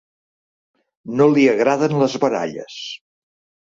No li agraden les baralles.